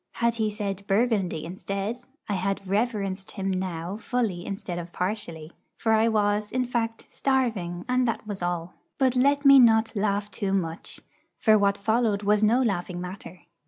Had he said 'Burgundy' instead, I had reverenced him now fully instead of partially. For I was, in fact, starving, and that was all. But let me not laugh too much; for what followed was no laughing matter.